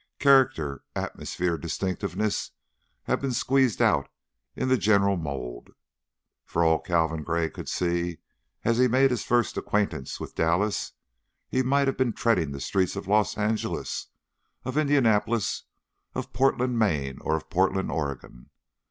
Character, atmosphere, distinctiveness, have been squeezed out in the general mold. For all Calvin Gray could see, as he made his first acquaintance with Dallas, he might have been treading the streets of Los Angeles, of Indianapolis, of Portland, Maine, or of Portland, Oregon.